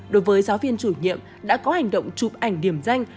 đối với giáo viên chủ nhiệm đã có hành động chụp ảnh điểm danh